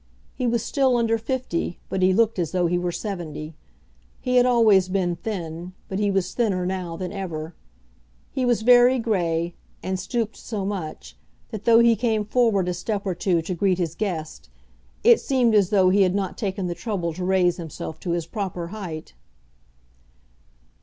He was still under fifty, but he looked as though he were seventy. He had always been thin, but he was thinner now than ever. He was very grey, and stooped so much, that though he came forward a step or two to greet his guest, it seemed as though he had not taken the trouble to raise himself to his proper height.